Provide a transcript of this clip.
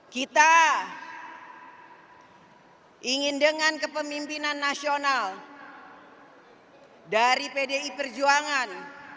kita ingin dengan kepemimpinan nasional dari pdi perjuangan